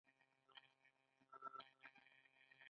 د هلمند په خانشین کې د ګچ نښې شته.